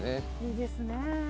いいですね。